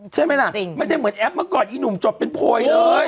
ใช่ไหมล่ะจริงไม่ได้เหมือนแอปเมื่อก่อนอีหนุ่มจบเป็นโพยเลย